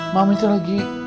mami itu lagi